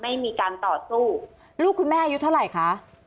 ไม่มีการต่อสู้ลูกคุณแม่อายุเท่าไหร่คะ